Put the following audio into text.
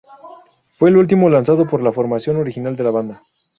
Fue el último lanzado por la formación original de la banda.